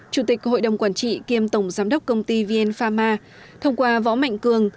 chủ tịch hội đồng quản trị kiêm tổng giám đốc công ty vn pharma thông qua võ mạnh cường